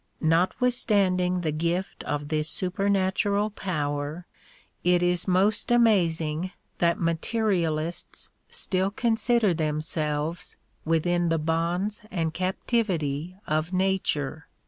Notwithstanding the gift of this supernatural power, it is most amazing that materialists still consider themselves within the bonds and captivity of nature.